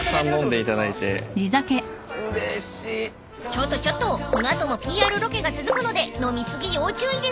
［ちょっとちょっとこの後もＰＲロケが続くので飲み過ぎ要注意ですよ］